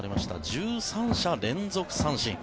１３者連続三振。